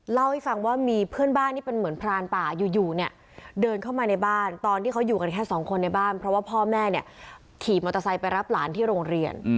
เล่าให้ฟังว่ามีเพื่อนบ้านที่เป็นเหมือนพรานป่าอยู่เนี่ยเดินเข้ามาในบ้านตอนที่เขาอยู่กันแค่สองคนในบ้านเพราะว่าพ่อแม่เนี่ยขี่มอเตอร์ไซค์ไปรับหลานที่โรงเรียน